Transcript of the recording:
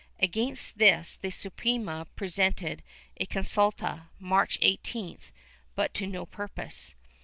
Against this the Suprema presented a con sulta, March 18th, but to no purpose.